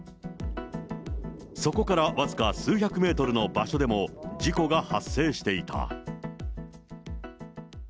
そこから僅か数百メートルの場所でも、事故が発生していた。